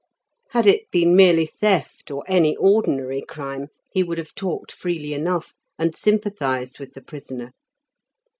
Had it been merely theft or any ordinary crime, he would have talked freely enough, and sympathized with the prisoner.